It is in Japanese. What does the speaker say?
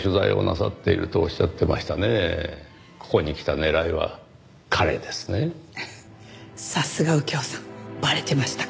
さすが右京さんバレてましたか。